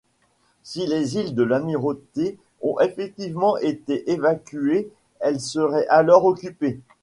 Si les îles de l'Amirauté ont effectivement été évacuées, elles seraient alors occupées.